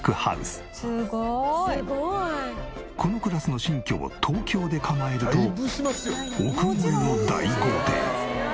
「すごい」このクラスの新居を東京で構えると億超えの大豪邸。